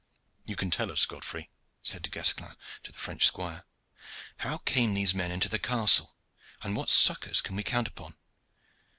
"You can tell us, Godfrey," said Du Guesclin to the French squire: "how came these men into the castle, and what succors can we count upon?